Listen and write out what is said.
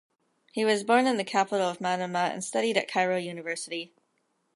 He was born in the capital of Manama and studied at Cairo University.